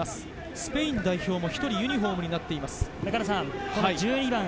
スペイン代表も１人、ユニホームになっています。